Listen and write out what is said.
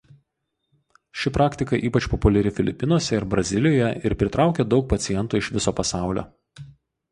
Ši praktika ypač populiari Filipinuose ir Brazilijoje ir pritraukia daug pacientų iš viso pasaulio.